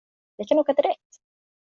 Vi kan åka direkt.